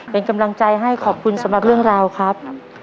เป็นกำลังใจให้ขอบคุณสำหรับเรื่องราวครับ